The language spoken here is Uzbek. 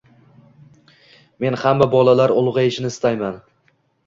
«Men hamma bolalar ulg’ayishini istayman»